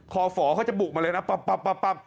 ฝอเขาจะบุกมาเลยนะปั๊บ